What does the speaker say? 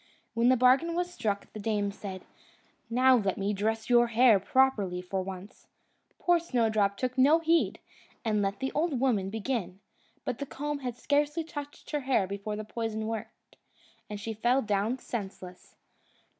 When the bargain was struck, the dame said, "Now let me dress your hair properly for once." Poor Snowdrop took no heed, and let the old woman begin; but the comb had scarcely touched her hair before the poison worked, and she fell down senseless.